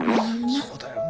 そうだよね。